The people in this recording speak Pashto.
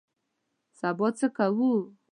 سبا څه کوو؟